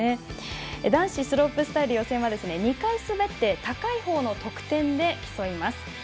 男子スロープスタイル予選は２回滑って高いほうの得点で競います。